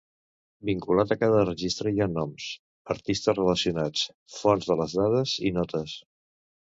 Vinculat a cada registre hi ha noms, artistes relacionats, fonts de les dades i notes.